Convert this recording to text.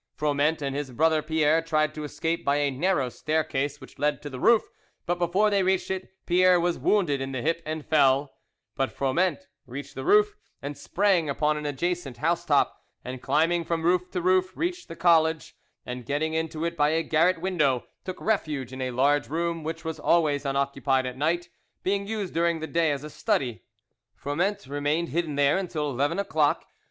Froment and his brother Pierre tried to escape by a narrow staircase which led to the roof, but before they reached it Pierre was wounded in the hip and fell; but Froment reached the roof, and sprang upon an adjacent housetop, and climbing from roof to roof, reached the college, and getting into it by a garret window, took refuge in a large room which was always unoccupied at night, being used during the day as a study. Froment remained hidden there until eleven o'clock.